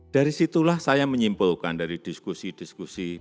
dari situlah saya menyimpulkan dari diskusi diskusi